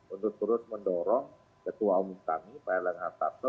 untuk terus mendorong ketua umum kami pak erlang hartarto